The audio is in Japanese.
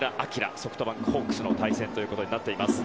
ソフトバンクホークスの対決となっています。